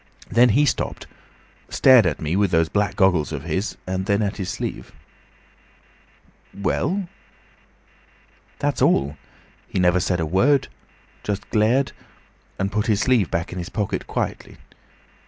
Then he stopped. Stared at me with those black goggles of his, and then at his sleeve." "Well?" "That's all. He never said a word; just glared, and put his sleeve back in his pocket quickly.